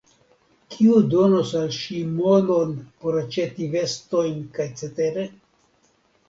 Kiu donos al ŝi monon por aĉeti vestojn kaj cetere.